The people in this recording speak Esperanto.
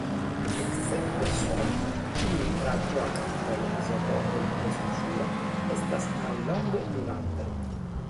Escepte S, ĉiuj radioaktivaj izotopoj de sulfuro estas mallonge vivantaj.